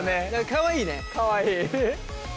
かわいい。